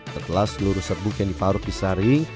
setelah seluruh serbuk yang diparut disaring